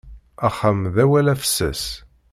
Axxam d awal afessas.